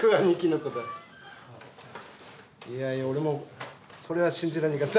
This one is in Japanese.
いや俺もそれは信じられなかった。